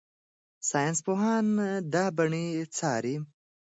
ساینسپوهان دا بڼې څاري.